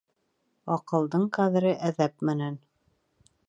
Аҡылдың ҡәҙере әҙәп менән.